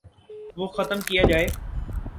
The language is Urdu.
وہ ختم کیا جائے۔